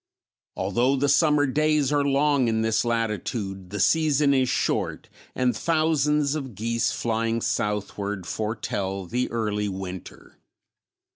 Although the summer days are long in this latitude the season is short and thousands of geese flying southward foretell the early winter.